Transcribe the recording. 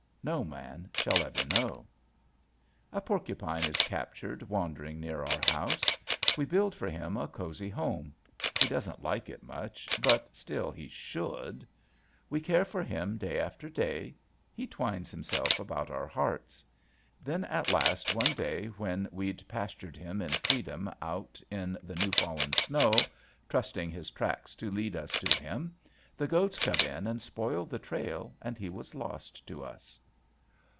No man shall ever know. A porcupine is captured wandering near our house. We build for him a cozy home he doesn't like it much but still he should. We care for him day after day, he twines himself, about our hearts. Then at last one day when we'd pastured him in freedom out in the new fallen snow, trusting his tracks to lead us to him, the goats cut in and spoiled the trail and he was lost to us.